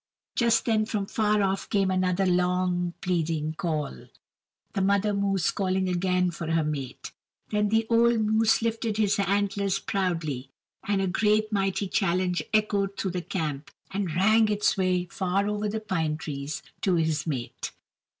Just then from far off came another long, pleading call, the mother moose calling again for her mate. Then the old moose lifted his antlers proudly, and a great and mighty challenge echoed through the camp and rang its way far over the pine trees to his mate.